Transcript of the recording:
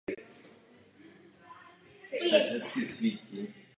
Pak už jen všechny osoby v systému hledají cestu z krize.